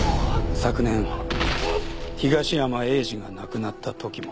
昨年東山栄治が亡くなったときも。